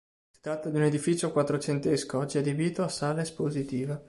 Si tratta di un edificio quattrocentesco, oggi adibito a sala espositiva.